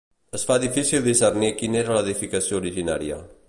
Es fa difícil discernir quina era l'edificació originària.